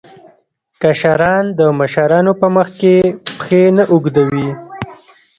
کشران د مشرانو په مخ کې پښې نه اوږدوي.